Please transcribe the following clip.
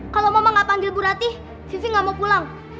kalau mama gak panggil bu rati vivi gak mau pulang